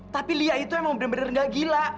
tapi lia itu emang bener bener gak gila